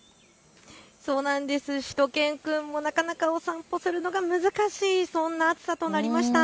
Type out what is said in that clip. しゅと犬くんもなかなかお散歩するのが難しいそんな暑さとなりました。